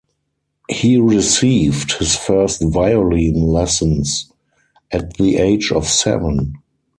He received his first violin lessons at the age of seven.